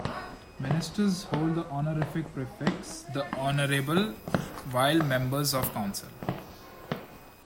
Ministers hold the honorific prefix "The Honourable" while members of the council.